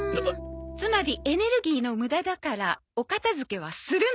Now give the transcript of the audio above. つまり「エネルギーの無駄だからお片付けはするな」と。